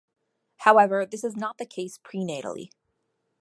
However, this is not the case prenatally.